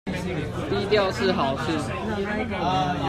低調是好事